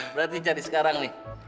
berarti cari sekarang nih